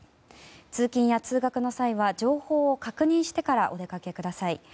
通勤や通学の際には情報を確認してからお出かけください。